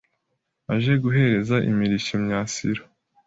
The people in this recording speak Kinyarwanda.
Aje guhereza imirishyo Myasiro